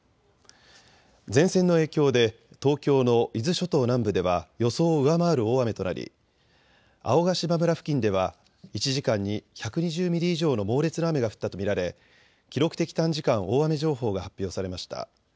前線の影響で東京の伊豆諸島南部では予想を上回る大雨となり青ヶ島村付近では１時間に１２０ミリ以上の猛烈な雨が降ったと見られ記録的短時間大雨情報が発表されました。